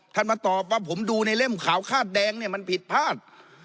มาตอบว่าผมดูในเล่มขาวคาดแดงเนี่ยมันผิดพลาด